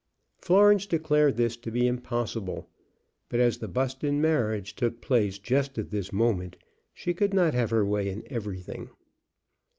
Florence declared this to be impossible; but, as the Buston marriage took place just at this moment, she could not have her way in everything.